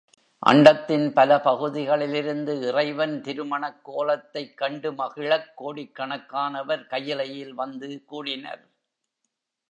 அண்டத்தின் பல பகுதிகளிலிருந்து இறைவனின் திரு மணக்கோலத்தைக் கண்டு மகிழக் கோடிக்கணக்கானவர் கயிலையில் வந்து கூடினர்.